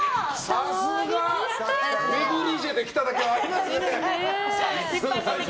さすがネグリジェで来ただけありますね。